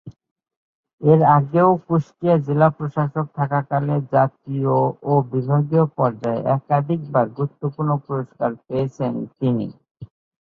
এর আগেও কুষ্টিয়া জেলা প্রশাসক থাকাকালে জাতীয় ও বিভাগীয় পর্যায়ে একাধিকবার গুরুত্বপূর্ণ পুরস্কার পেয়েছিলেন তিনি।